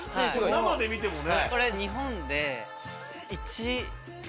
生で見てもね。